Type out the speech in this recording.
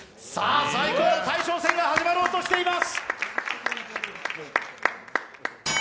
最高の大将戦が始まろうとしています。